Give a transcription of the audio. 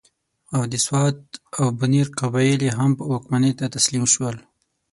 او د سوات او بنیر قبایل یې هم واکمنۍ ته تسلیم ول.